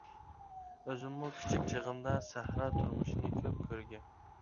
ئۈزۈممۇ كىچىك چىغىمدا سەھرا تۇرمۇشىنى كۆپ كۆرگەن.